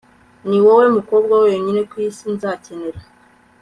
niwowe mukobwa wenyine kwisi nzakenera